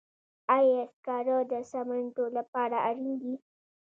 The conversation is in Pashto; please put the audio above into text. آیا سکاره د سمنټو لپاره اړین دي؟